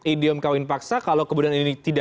idiom kawin paksa kalau kebudayaan ini